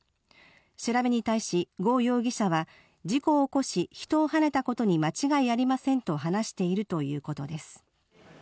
調べに対し、呉容疑者は事故を起こし、人をはねたことに間違いありませんと話しているということです。